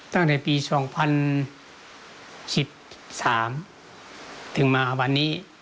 ตั้งแต่ปี๒๐๑๓ถึงมาวันนี้